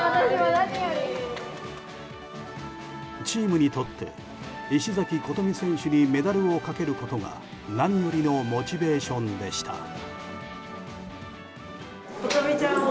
チームにとって石崎琴美選手にメダルをかけることが何よりのモチベーションでした。